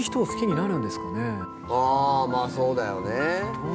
あぁまぁそうだよね。